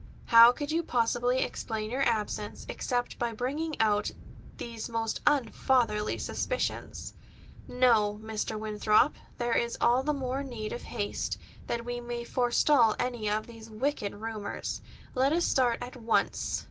How could you possibly explain your absence except by bringing out these most unfatherly suspicions? No, Mr. Winthrop, there is all the more need of haste, that we may forestall any of these wicked rumors. Let us start at once."